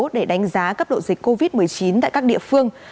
để đánh giá cấp độ dịch covid một mươi chín tại các địa phương